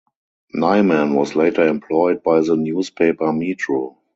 Nyman was later employed by the newspaper Metro.